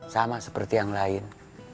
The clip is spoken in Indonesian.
sama seperti yang lain